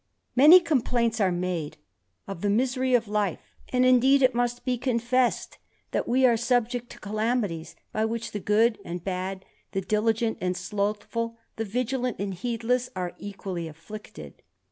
Many complaints are made of the misery of life ; and indeed it must be confessed that we are subject to calamities by which the good and bad, the diligent and slothful, ^ the viligant and heedless, are equally afflicted.